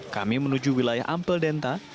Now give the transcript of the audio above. kami menuju wilayah ampeldenta